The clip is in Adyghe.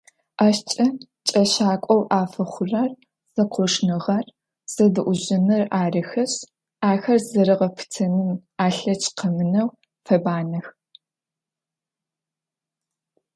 Ащкӏэ кӏэщакӏоу афэхъурэр зэкъошныгъэр, зэдэӏужьыныр арыхэшъ, ахэр зэрагъэпытэным алъэкӏ къэмынэу фэбанэх.